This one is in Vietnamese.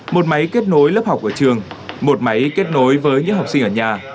một máy kết nối lớp học ở trường một máy kết nối với những học sinh ở nhà